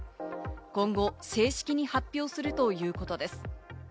今後正式に発表するということです。